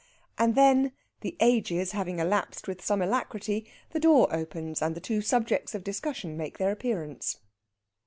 And then, the ages having elapsed with some alacrity, the door opens and the two subjects of discussion make their appearance.